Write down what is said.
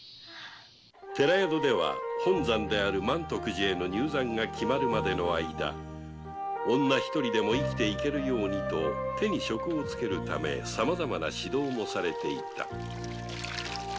寺宿では本山である満徳寺への入山が決まるまでの間女一人でも生きていけるようにと手に職をつけるためさまざまな指導もされていた